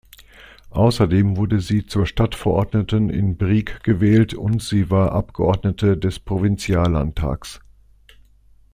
Außerdem wurde sie zur Stadtverordneten in Brieg gewählt, und sie war Abgeordnete des Provinziallandtags.